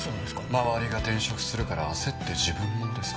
周りが転職するから焦って自分もですか。